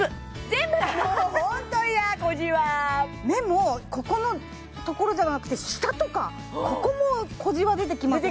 目もここのところじゃなくて下とかここも小じわ出てきませんか？